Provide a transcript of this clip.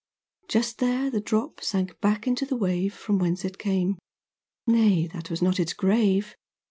Just there the drop sank back into the wave From whence it came. Nay, that was not its grave!